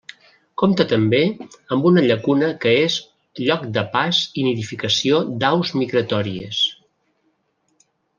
Compta també amb una llacuna que és lloc de pas i nidificació d'aus migratòries.